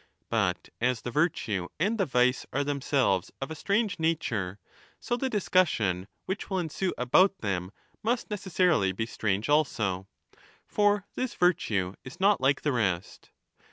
But as the virtue and the vice are themselves of a strange nature, so the discussion which will ensue about them must necessarily be strange 1200^ also. For this virtue is not like the rest.